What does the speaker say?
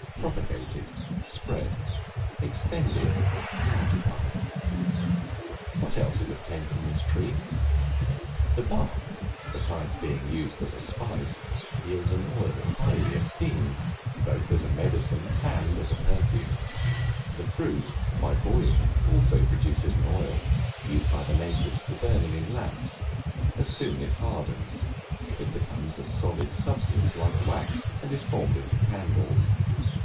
Propagated, spread, extended, multiplied. What else is obtained from this tree? The bark, besides being used as a spice, yields an oil highly esteemed, both as a medicine and as a perfume; the fruit by boiling also produces an oil, used by the natives for burning in lamps; as soon as it hardens, it becomes a solid substance like wax, and is formed into candles.